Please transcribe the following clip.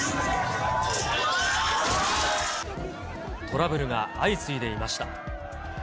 トラブルが相次いでいました。